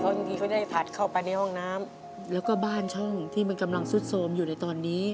บางทีก็ได้ผลัดเข้าไปในห้องน้ำแล้วก็บ้านช่องที่มันกำลังซุดโทรมอยู่ในตอนนี้